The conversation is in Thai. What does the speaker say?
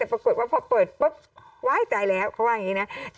ปรากฏว่าพอเปิดปุ๊บว้ายตายแล้วเขาว่าอย่างนี้นะ